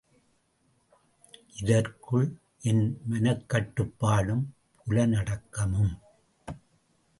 இதற்குள் ஏன் மனக்கட்டுப்பாடும் புலனடக்கமும்?